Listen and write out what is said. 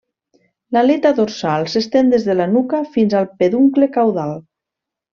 L'aleta dorsal s'estén des de la nuca fins al peduncle caudal.